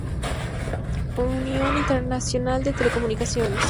Unión Internacional de Telecomunicaciones.